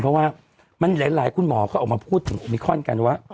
เพราะว่ามันหลายหลายคุณหมอเขาออกมาพูดสโมกไฟล์กัน